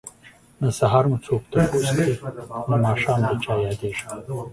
نه سحر مو څوک تپوس کړي نه ماښام ده چه ياديږم